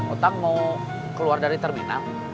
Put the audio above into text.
utang mau keluar dari terminal